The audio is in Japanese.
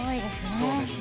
そうですね。